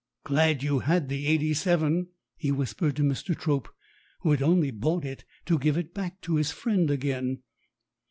"Glad you had the '87," he whispered to Mr. Trope, who had only bought it to give it back to his friend again.